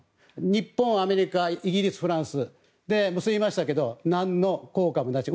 日本、アメリカイギリス、フランスで結びましたが雲散霧消してなんの効果もなし。